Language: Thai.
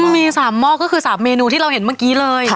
มี๓หม้อก็คือ๓เมนูที่เราเห็นเมื่อกี้เลย